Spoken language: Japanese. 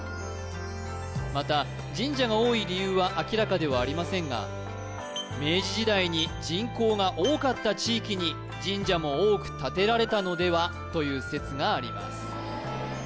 また神社が多い理由は明らかではありませんが明治時代に人口が多かった地域に神社も多く建てられたのではという説があります